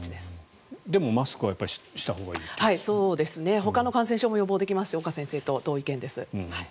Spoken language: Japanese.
ほかの感染症も予防できますし岡先生と同意見です。